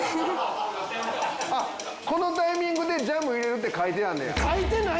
このタイミングでジャム入れるって書いてあんねや。